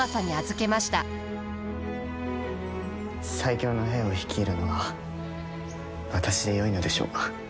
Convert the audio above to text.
最強の兵を率いるのが私でよいのでしょうか。